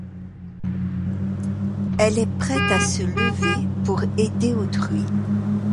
Elle est prête à se lever pour aider autrui.